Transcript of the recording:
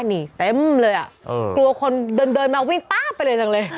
นี่เต็มเลยอ่ะกลัวคนเดินมาวิ่งป๊าบไปเลยจังเลย